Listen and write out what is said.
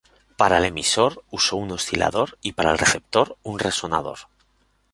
Para el emisor, usó un oscilador, y para el receptor, un resonador.